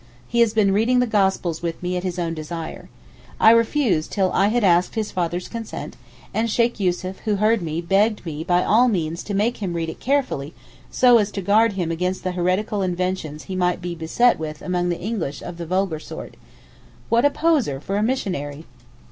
He has been reading the gospels with me at his own desire. I refused till I had asked his father's consent, and Sheykh Yussuf who heard me begged me by all means to make him read it carefully so as to guard him against the heretical inventions he might be beset with among the English 'of the vulgar sort.' What a poser for a missionary!